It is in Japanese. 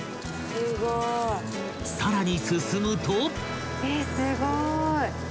［さらに進むと］